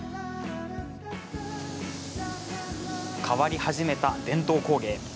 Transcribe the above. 変わり始めた伝統工芸。